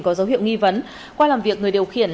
có dấu hiệu nghi vấn qua làm việc người điều khiển